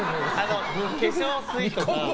化粧水とか。